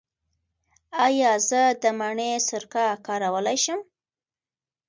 ایا زه د مڼې سرکه کارولی شم؟